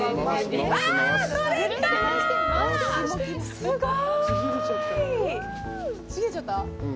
すごーい！